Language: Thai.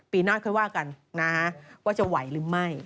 ปีหน้าค่อยว่ากันนะฮะว่าจะไหวหรือไม่